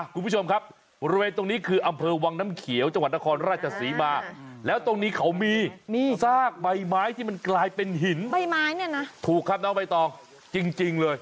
คุณผู้ชมครับบริเวณตรงนี้คืออำเภอวังน้ำเขียวจังหวัดนครราชศรีม